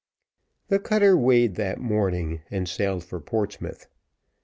The cutter weighed that morning, and sailed for Portsmouth.